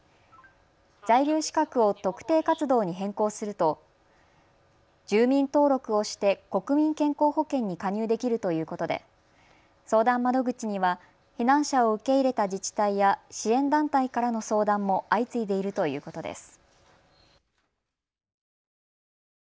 在留資格を特定活動に変更すると住民登録をして国民健康保険に加入できるということで相談窓口には避難者を受け入れた自治体や支援団体からの相談も相次いでいるということです。